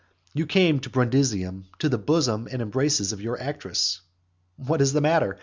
XXV. You came to Brundusium, to the bosom and embraces of your actress. What is the matter?